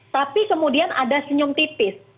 tapi kemudian ada senyum tipis